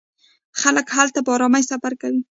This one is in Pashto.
خلک هلته په ارامۍ سفر کوي.